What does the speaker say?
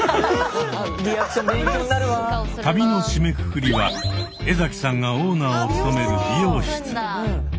旅の締めくくりはエザキさんがオーナーを務める美容室。